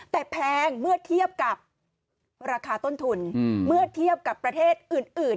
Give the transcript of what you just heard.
แต่แพงเมื่อเทียบกับราคาต้นทุนเมื่อเทียบกับประเทศอื่น